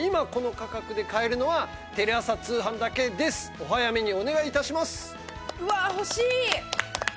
お早めにお願い致します。